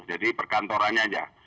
jadi perkantorannya saja